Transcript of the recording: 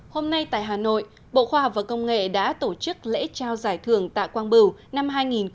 hôm nay tại hà nội bộ khoa học và công nghệ đã tổ chức lễ trao giải thưởng tạ quang bửu năm hai nghìn một mươi chín